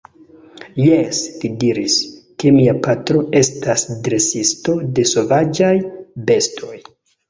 Jes, li diris, ke mia patro estas dresisto de sovaĝaj bestoj.